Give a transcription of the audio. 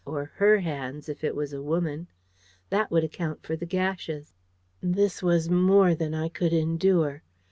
Or HER hands, if it was a woman! That would account for the gashes." This was more than I could endure.